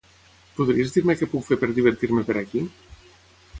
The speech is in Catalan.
Podries dir-me què puc fer per divertir-me per aquí?